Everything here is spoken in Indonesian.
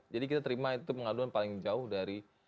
jadi kita terima itu pengaduan paling jauh dari